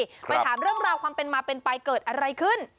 ไปถามเรื่องราวความเป็นมาเป็นไปเกิดอะไรขึ้น